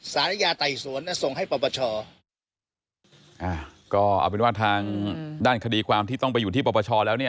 สารยาไต่สวนน่ะส่งให้ปปชอ่าก็เอาเป็นว่าทางด้านคดีความที่ต้องไปอยู่ที่ปปชแล้วเนี่ย